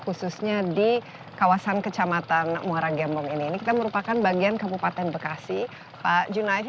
khususnya di kawasan kecamatan muara gembong ini kita merupakan bagian kabupaten bekasi pak junai